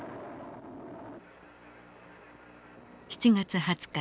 ７月２０日。